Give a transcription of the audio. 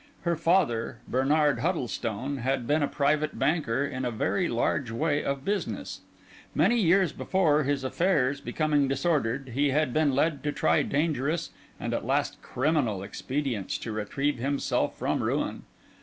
Her father, Bernard Huddlestone, had been a private banker in a very large way of business. Many years before, his affairs becoming disordered, he had been led to try dangerous, and at last criminal, expedients to retrieve himself from ruin.